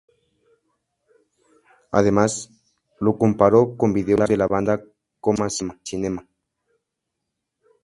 Además, lo comparó con los vídeos de la banda Coma Cinema.